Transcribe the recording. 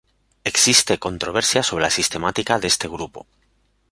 Existe controversia sobre la sistemática de este grupo.